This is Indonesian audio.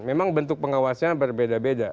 memang bentuk pengawasnya berbeda beda